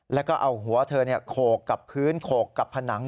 แล้วก็เอาหัวเธอโขกกับพื้นโขกกับผนัง